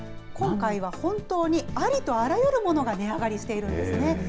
今回は本当にありとあらゆるものが値上がりしているんですね。